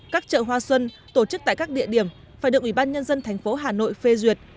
các chợ hoa xuân tổ chức tại các địa điểm phải được ubnd tp hà nội phê duyệt